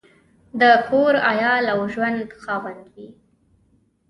د کور، عیال او ژوند خاوند وي.